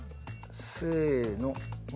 せの。